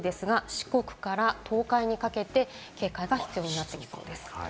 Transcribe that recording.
四国から東海にかけて警戒が必要になってきそうです。